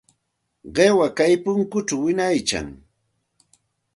Qiwa kay punkućhaw wiñaykan.